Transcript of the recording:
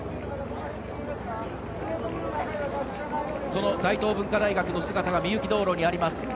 その大東文化大学の姿が御幸道路にあります。